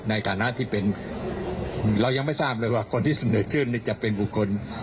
ในฐานะที่เป็นเรายังไม่ทราบเลยว่าคนที่เสนอขึ้นนี่จะเป็นบุคคล